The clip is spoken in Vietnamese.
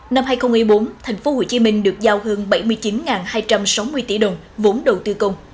năm hai nghìn một mươi bốn tp hcm được giao hơn bảy mươi chín hai trăm sáu mươi tỷ đồng vốn đầu tư công